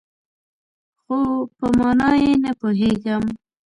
خو، په مانا یې نه پوهیږم